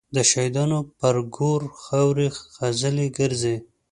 د شهیدانو به پر ګور خاوري خزلي ګرځي